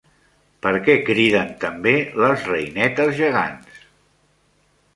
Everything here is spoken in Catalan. Per què criden també les reinetes gegants?